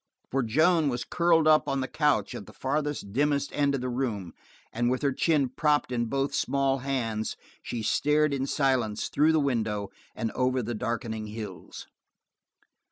For Joan was curled up on the couch at the farthest, dimmest end of the room, and with her chin propped in both small hands she stared in silence through the window and over the darkening hills.